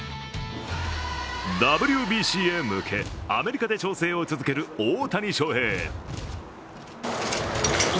ＷＢＣへ向け、アメリカで調整を続ける大谷翔平。